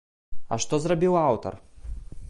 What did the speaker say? А што зрабіў аўтар?